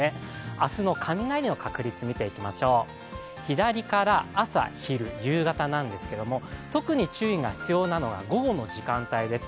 明日の雷の確率、見ていきましょう左から、朝昼、夕方なんですけれども特に注意が必要なのが午後の時間帯です。